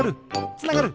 つながる！